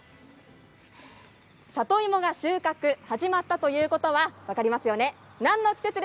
里芋の収穫が始まったということは分かりますよね？